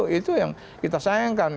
itu yang kita sayangkan